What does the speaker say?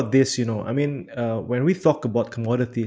ketika kita bicara tentang komoditas